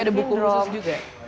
jadi ada buku khusus juga